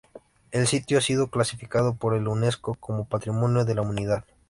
El sitio ha sido clasificado por la Unesco como Patrimonio de la Humanidad.